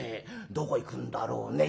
どこ行くんだろうね？